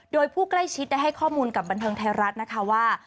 โดยผู้ใกล้ชิดได้ให้ข้อมูลกับบันเทิงไทยรัฐนะคะว่า